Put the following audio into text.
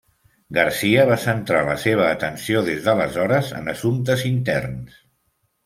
Garcia va centrar la seva atenció des d'aleshores en assumptes interns.